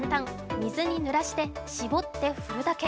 水に濡らして、絞って、降るだけ。